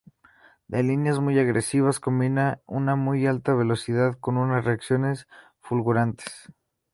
De líneas muy agresivas, combina una muy alta velocidad con unas reacciones fulgurantes.